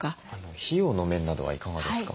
費用の面などはいかがですか？